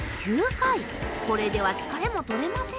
これでは疲れも取れません。